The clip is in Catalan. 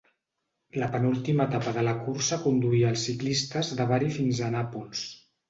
La penúltima etapa de la cursa conduïa els ciclistes de Bari fins a Nàpols.